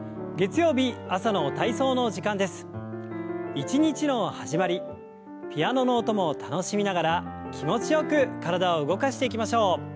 一日の始まりピアノの音も楽しみながら気持ちよく体を動かしていきましょう。